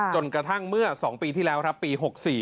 จนกระทั่งเมื่อ๒ปีที่แล้วครับปี๖๔